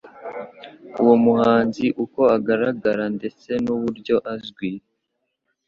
uwo muhanzi uko agaragara ndetse n'uburyo azwi